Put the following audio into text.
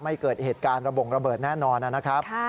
เกิดเหตุการณ์ระบงระเบิดแน่นอนนะครับ